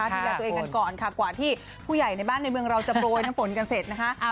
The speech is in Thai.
ดูแลตัวเองกันก่อนค่ะกว่าที่ผู้ใหญ่ในบ้านในเมืองเราจะโปรยน้ำฝนกันเสร็จนะคะ